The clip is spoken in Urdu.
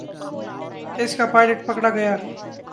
اس کا پائلٹ پکڑا گیا۔